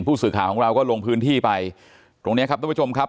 ผู้สื่อข่าวของเราก็ลงพื้นที่ไปตรงเนี้ยครับทุกผู้ชมครับ